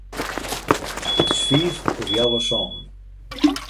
It is fiif oer healwei sânen.